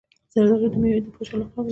زردالو د میوې د پاچا لقب لري.